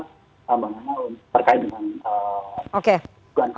terkait dengan kebutuhan kita